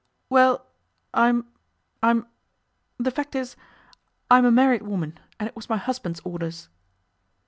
'Well, I'm I'm the fact is, I'm a married woman, and it was my husband's orders.